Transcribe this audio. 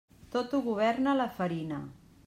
Tot ho governa la farina.